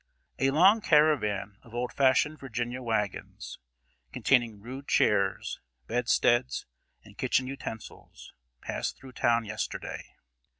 A long caravan of old fashioned Virginia wagons, containing rude chairs, bedsteads, and kitchen utensils, passed through town yesterday.